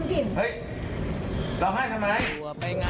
แต่เค้าจุดไปกันนะ